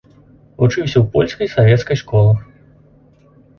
Вучыўся ў польскай і савецкай школах.